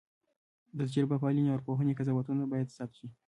د تجربه پالنې او ارواپوهنې قضاوتونه باید ثبت شي.